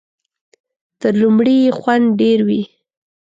تر لومړي یې خوند ډېر وي .